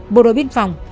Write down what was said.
bộ đội biên phòng